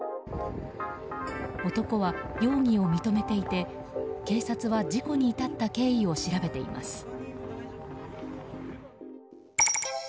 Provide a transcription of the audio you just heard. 男は容疑を認めていて警察は事故に至った経緯を調べています。